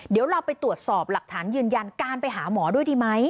เดี๋ยวเราไปตรวจสอบหลักฐานยืนยันการไปหาหมอด้วยดีไหม